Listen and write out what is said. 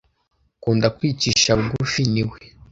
kunda kwicisha bugufi ni we